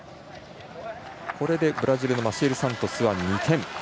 これでブラジルのマシエル・サントスは２点。